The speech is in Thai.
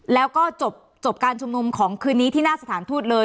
แล้วก็จบการชุมนุมของคืนนี้ที่หน้าสถานทูตเลย